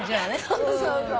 そうそうそう。